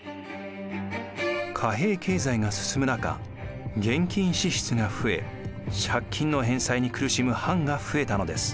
貨幣経済が進む中現金支出が増え借金の返済に苦しむ藩が増えたのです。